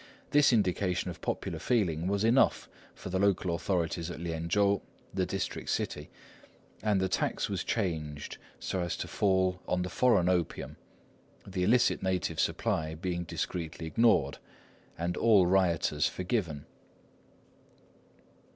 This indication of popular feeling was enough for the local authorities at Lien chou, the district city, and the tax was changed so as to fall on the foreign opium, the illicit native supply being discreetly ignored, and all rioters forgiven."